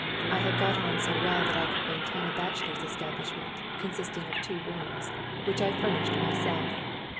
I had got on so well that I could maintain a bachelor's establishment, consisting of two rooms, which I furnished myself.